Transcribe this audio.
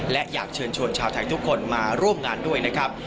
และอยากเชิญชวนชาวไทยทุกคนมาร่วมงานด้วยนะครับ